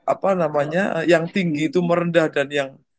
apa namanya yang tinggi itu merendah dan yang